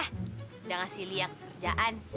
udah ngasih lia kerjaan